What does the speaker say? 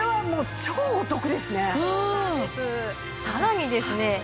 さらにですね